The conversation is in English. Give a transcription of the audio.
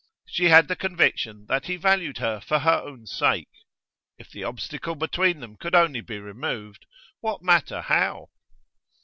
She had the conviction that he valued her for her own sake; if the obstacle between them could only be removed, what matter how?